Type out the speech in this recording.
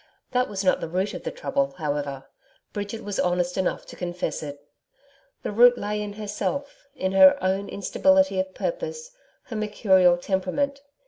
That was not the root of the trouble, however Bridget was honest enough to confess it. The root lay in herself in her own instability of purpose, her mercurial temperament.